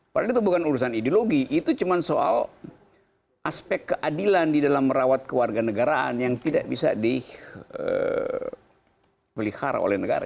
padahal itu bukan urusan ideologi itu cuma soal aspek keadilan di dalam merawat kewarganegaraan yang tidak bisa dipelihara oleh negara